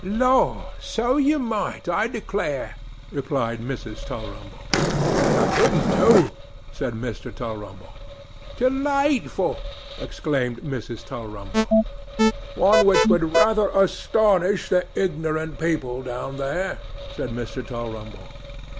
'Lor! so you might, I declare,' replied Mrs. Tulrumble. 'And a good one too,' said Mr. Tulrumble. 'Delightful!' exclaimed Mrs. Tulrumble. 'One which would rather astonish the ignorant people down there,' said Mr. Tulrumble.